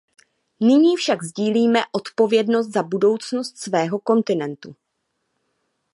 Nyní však sdílíme odpovědnost za budoucnost svého kontinentu.